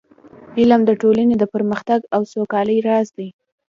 علم د ټولنې د پرمختګ او سوکالۍ راز دی.